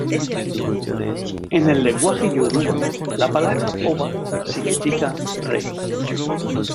En el lenguaje yoruba, la palabra "Oba" significa "Rey".